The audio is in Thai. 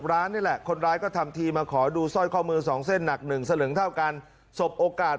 ร้านนี่แหละคนร้ายก็ทำทีมาขอดูสร้อยข้อมือสองเส้นหนักหนึ่งสลึงเท่ากันสบโอกาส